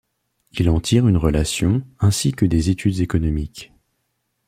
Il en tire une relation ainsi que des études économiques.